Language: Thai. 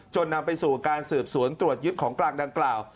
นำไปสู่การสืบสวนตรวจยึดของกลางดังกล่าว